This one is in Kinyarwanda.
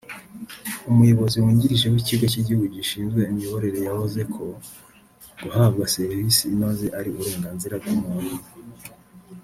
umuyobozi wungirije w’ikigo cy’igihugu gishinzwe imiyoborere yavuze ko guhabwa serivisi inoze ari uburenganzira bw’umuntu